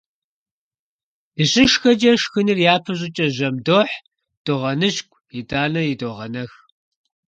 ДыщышхэкӀэ, шхыныр япэ щӀыкӀэ жьэм дохь, догъэныщкӀу, итӀанэ идогъэнэх.